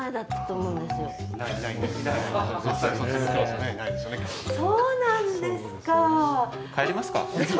そうなんですか。